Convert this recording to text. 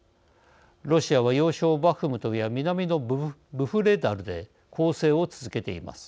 ロシアは要衝バフムトや南のブフレダルで攻勢を続けています。